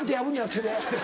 手で。